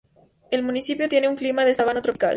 El municipio tiene un clima de sabana tropical.